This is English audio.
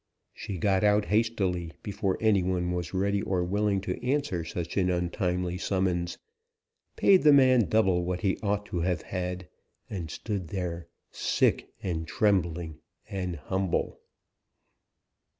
She got out hastily, before any one was ready or willing to answer such an untimely summons; paid the man double what he ought to have had; and stood there, sick, trembling, and humble.